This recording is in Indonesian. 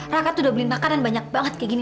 raka tuh udah beli makanan banyak banget kayak gini